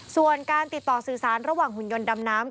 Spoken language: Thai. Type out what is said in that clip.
ส่วนการติดต่อสื่อสารระหว่างหุ่นยนต์ดำน้ำ